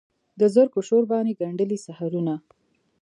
د زرکو شور باندې ګندلې سحرونه